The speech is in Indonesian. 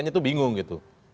konstituenya itu bingung gitu